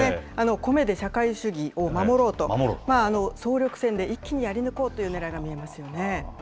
米で社会主義を守ろうと、総力戦で一気にやり抜こうというねらいが見えますよね。